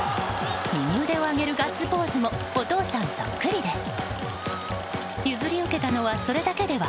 右腕を上げるガッツポーズもお父さんそっくりです。